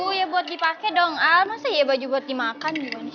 uh ya buat dipake dong al masa iya baju buat dimakan